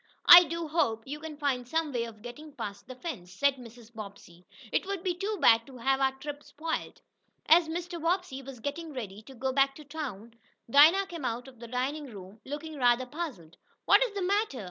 "I do hope you can find some way of getting past the fence," said Mrs. Bobbsey. "It would be too bad to have our trip spoiled." As Mr. Bobbsey was getting ready to go back to town, Dinah came out of the dining room, looking rather puzzled. "What is the matter?"